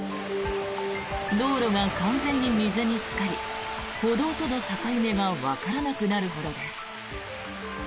道路が完全に水につかり歩道との境目がわからなくなるほどです。